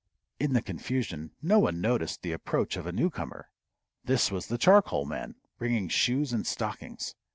In the confusion no one noticed the approach of a newcomer. This was the charcoal man, bringing shoes and stockings.